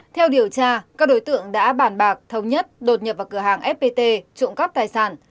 theo điều tra các đối tượng đã bản bạc thống nhất đột nhập vào cửa hàng fpt trộm cắp tài sản